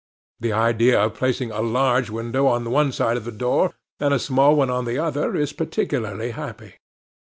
The idea of placing a large window on one side of the door, and a small one on the other, is particularly happy.